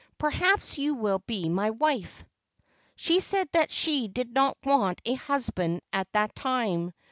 Perhaps you will be my wife." She said that she did not want a husband at that time.